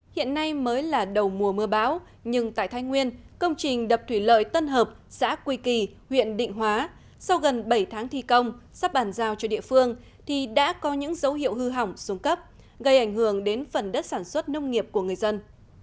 hiện nay mới là đầu mùa mưa bão nhưng tại thái nguyên công trình đập thủy lợi tân hợp xã quy kỳ huyện định hóa sau gần bảy tháng thi công sắp bàn giao cho địa phương thì đã có những dấu hiệu hư hỏng xuống cấp gây ảnh hưởng đến phần đất sản xuất nông nghiệp của người dân